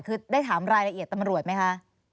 คือได้ถามรายละเอียดตำรวจไหมคะ